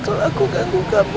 kalau aku ganggu kamu